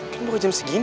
kan baru jam segini